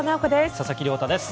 佐々木亮太です。